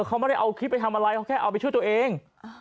เขาไม่ได้เอาคลิปไปทำอะไรเขาแค่เอาไปช่วยตัวเอง